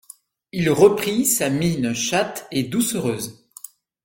Il reprit sa mine chatte et doucereuse.